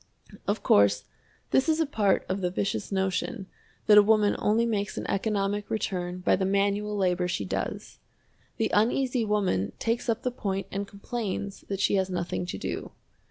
Of course, this is a part of the vicious notion that a woman only makes an economic return by the manual labor she does. The Uneasy Woman takes up the point and complains that she has nothing to do.